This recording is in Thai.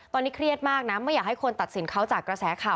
ตอนนี้เครียดมากนะไม่อยากให้คนตัดสินเขาจากกระแสข่าว